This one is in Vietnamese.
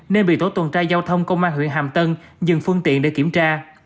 nên bị tổ tuần tra giao thông công an huyện hàm tân dừng phương tiện để kiểm tra